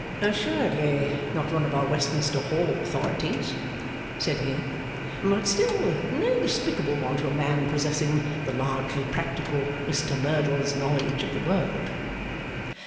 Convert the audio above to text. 'Assuredly not one of our Westminster Hall authorities,' said he, 'but still no despicable one to a man possessing the largely practical Mr Merdle's knowledge of the world.